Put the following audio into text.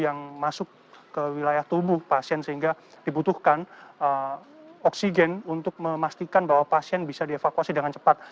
ada juga tekanan atau debu yang masuk ke wilayah tubuh pasien sehingga dibutuhkan oksigen untuk memastikan bahwa pasien bisa dievakuasi dengan cepat